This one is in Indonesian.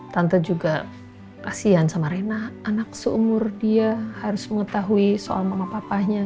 tante juga kasian sama rena anak seumur dia harus mengetahui soal mama papanya